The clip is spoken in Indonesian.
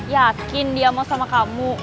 yakin dia mau sama kamu